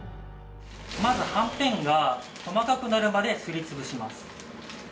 まずはんぺんが細かくなるまですり潰します。